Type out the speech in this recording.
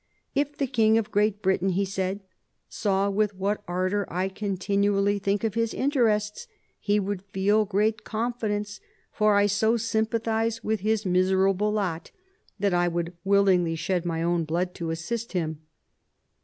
"If the King of Great Britain," he said, " saw with what ardour I continually think of his interests, he would feel great confidence ; for I so sympathise with his miserable lot, that I would willingly shed my own blood to assist him."